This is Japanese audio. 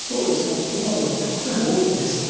ここまではカケも多いんですかね。